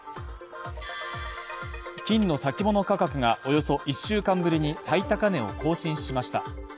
金の先物価格がおよそ１週間ぶりに最高値を更新しました。